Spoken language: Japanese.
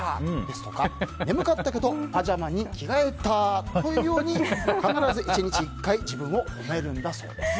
ですとか眠かったけどパジャマに着替えたというように必ず１日１回自分を褒めるんだそうです。